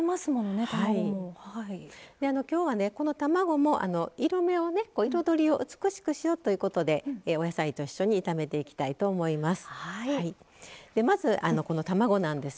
きょうは、この卵も色目、彩りを美しくしようということでお野菜と一緒に炒めていきたいと思います。